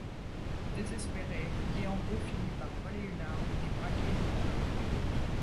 Désespéré, Yeongho finit par voler une arme et braquer une banque.